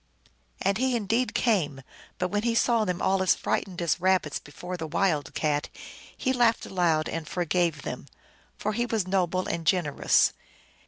And he indeed came ; but when he saw them all as frightened as rabbits before the wild cat, he laughed aloud and forgave them, for he was noble and gen erous.